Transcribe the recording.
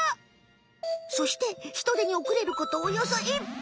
そしてヒトデにおくれることおよそ１分。